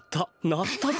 なったぞ！